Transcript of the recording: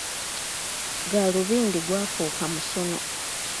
Ggaalubindi gwafuuka musono.